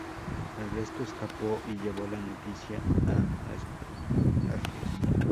El resto escapó, y llevo la noticia a Astiages.